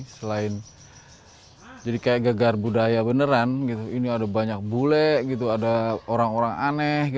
selain jadi kayak gegar budaya beneran ini ada banyak bule ada orang orang aneh